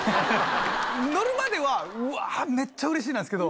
乗るまでは「うわぁめっちゃうれしい」なんすけど。